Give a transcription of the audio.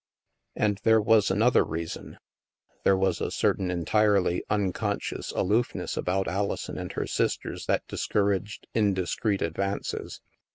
And there was another reason : there was a certain entirely unconscious aloofness about Alison and her sisters that discouraged indiscreet advances.